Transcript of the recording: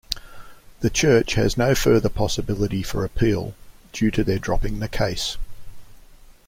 The Church has no further possibility for appeal due to their dropping the case.